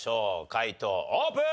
解答オープン。